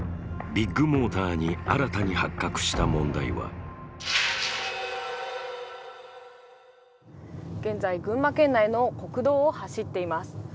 ビッグモーターに新たに発覚した問題は現在、群馬県内の国道を走っています。